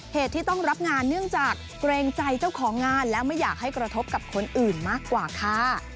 เหตุที่ต้องรับงานเนื่องจากเกรงใจเจ้าของงานและไม่อยากให้กระทบกับคนอื่นมากกว่าค่ะ